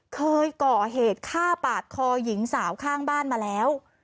เคยก่อเหตุฆ่าปาดคอหญิงสาวข้างบ้านมาแล้ว